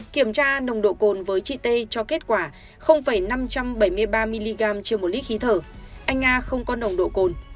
kiểm tra nồng độ cồn với chị t cho kết quả năm trăm bảy mươi ba mg trên một lít khí thở anh nga không có nồng độ cồn